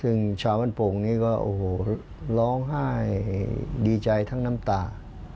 ซึ่งชาวบ้านโป่งนี้ก็โอ้โหร้องไห้ดีใจทั้งน้ำตา